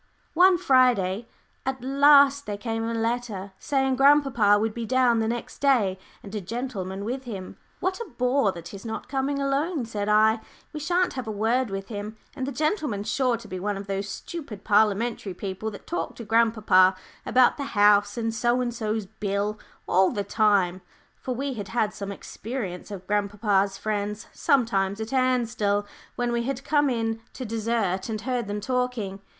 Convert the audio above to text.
One Friday at last there came a letter, saying grandpapa would be down the next day and a gentleman with him. "What a bore that he's not coming alone," said I. "We shan't have a word with him, and the gentleman's sure to be one of those stupid Parliamentary people that talk to grandpapa about 'the House,' and 'so and so's bill,' all the time." For we had had some experience of grandpapa's friends sometimes at Ansdell, when we had come in to dessert and heard them talking.